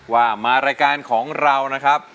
ว่ามารายการของเรานะครับ